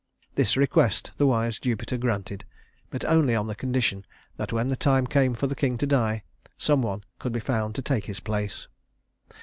This request the wise Jupiter granted, but only on the condition that when the time came for the king to die, some one could be found to take his place.